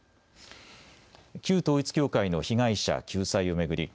旧統一教会の被害者救済を巡り